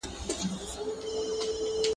ته باید په خپل هیواد کي نېکمرغي ولټوې.